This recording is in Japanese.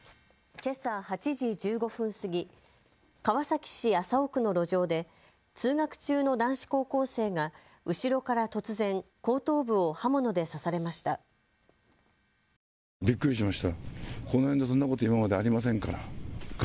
けさ８時１５分過ぎ川崎市麻生区の路上で通学中の男子高校生が後ろから突然、後頭部を刃物で刺されました。